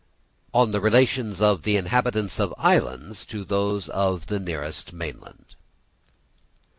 _On the Relations of the Inhabitants of Islands to those of the nearest Mainland.